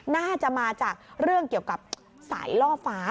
น่าจะมาจากเรื่องเกี่ยวกับสายล่อฟ้า